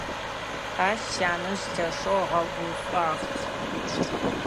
Ащ сянэжъ лъэшэу ыгъэгушӀуагъ.